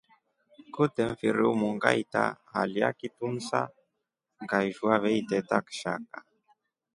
Kute mfiri umu ngaita halya kitumsa ngaishwa veteta kishaka.